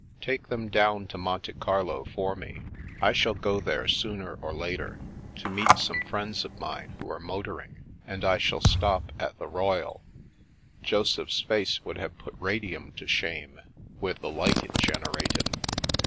Take them down to Monte Carlo for me. I shall go there sooner or later, to meet some friends of mine who are motoring, and I shall stop at the Royal." Joseph's face would have put radium to shame, with the light it generated.